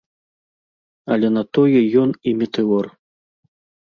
Але на тое ён і метэор.